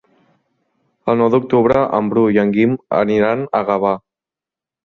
El nou d'octubre en Bru i en Guim aniran a Gavà.